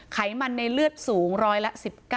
ไขมันในเลือดสูงร้อยละ๑๙